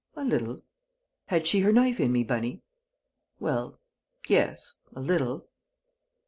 "A little." "Had she her knife in me, Bunny?" "Well yes a little!"